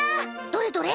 どれどれ？